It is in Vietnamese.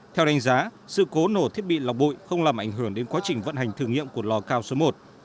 theo đánh giá sự cố nổ thiết bị lọc bụi không làm ảnh hưởng đến quá trình vận hành thử nghiệm của lò cao số một